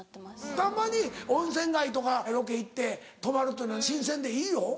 たまに温泉街とかロケ行って泊まるっていうのは新鮮でいいよ。